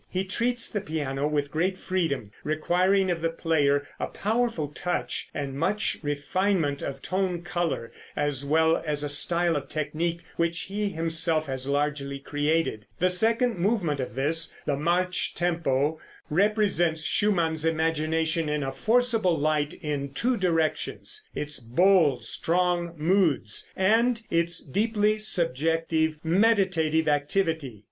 He treats the piano with great freedom, requiring of the player a powerful touch and much refinement of tone color, as well as a style of technique which he himself has largely created. The second movement of this, the march tempo, represents Schumann's imagination in a forcible light in two directions its bold, strong moods, and its deeply subjective, meditative activity.